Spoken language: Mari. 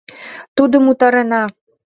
— Тудым утарена.